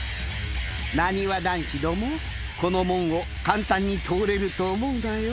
なにわ男子どもこの門を簡単に通れると思うなよ。